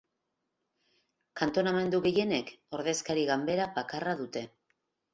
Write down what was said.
Kantonamendu gehienek ordezkari-ganbera bakarra dute.